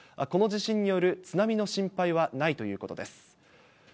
この地震による津波の心配はないということです。